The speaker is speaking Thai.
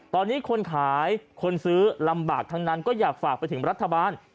ตอนนี้คนขายคนซื้อลำบากทั้งนั้นก็อยากฝากไปถึงรัฐบาล